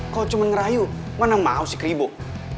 kau cuma ngerayu mana mau si keribuk